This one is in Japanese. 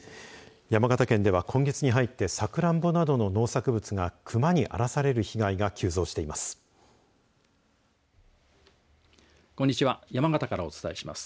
山形県では今月に入ってさくらんぼなどの農作物がクマに荒らされる被害が急増しています。